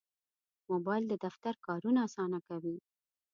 موبایل د دفتر کارونه اسانه کوي.